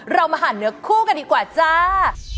เรามาหั่นเนื้อคู่กันดีกว่าจ้า